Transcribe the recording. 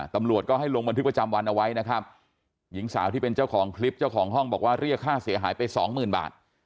ตำรวจก็ให้ลงบันทึกประจำวันเอาไว้นะครับหญิงสาวที่เป็นเจ้าของคลิปเจ้าของห้องบอกว่าเรียกค่าเสียหายไปสองหมื่นบาท